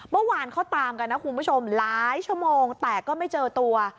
เมื่อวานเขาตามกันนะคุณผู้ชมหลายชั่วโมงแต่ก็ไม่เจอตัว